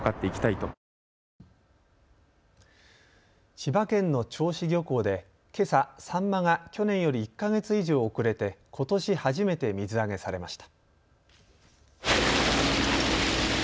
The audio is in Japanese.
千葉県の銚子漁港でけさ、サンマが去年より１か月以上遅れてことし初めて水揚げされました。